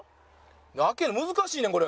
開けるの難しいねんこれ。